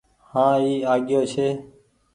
هآن اي آگيو ڇي۔